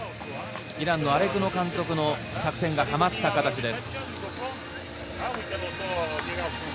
イランのアレクノ監督の作戦がはまった形です。